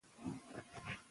قانون د بې عدالتۍ مخه نیسي